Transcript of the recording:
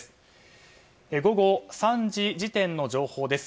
午後３時時点の情報です。